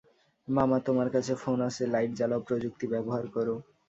মামা, তোমার কাছে ফোন আছে, লাইট জ্বালাও, প্রযুক্তি ব্যবহার করো।